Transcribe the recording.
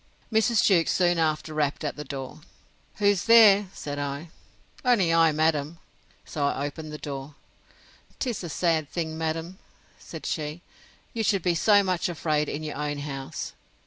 Mrs. Jewkes soon after rapped at the door. Who's there? said I. Only I, madam. So I opened the door. 'Tis a sad thing, madam, said she, you should be so much afraid in your own house.